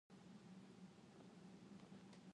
Udin menempuh bahaya maut